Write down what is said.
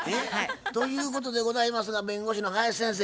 ということでございますが弁護士の林先生